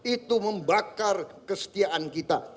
itu membakar kestiaan kita